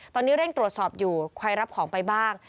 ตอนนี้เร่งตรวจสอบอยู่ใครรับของไปบ้าง